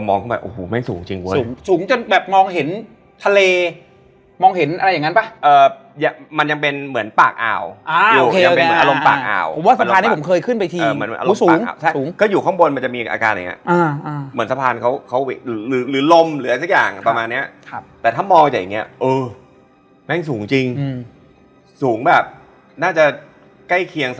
ไม่เป็นไรนอนก่อนนอนก่อนเดี๋ยวพรุ่งนี้เขาว่ากันไม่เป็นไร